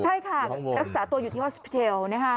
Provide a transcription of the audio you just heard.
ใช่ค่ะรักษาตัวอยู่ที่ฮอสปิเทล